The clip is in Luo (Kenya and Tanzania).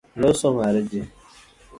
Loso mar ji.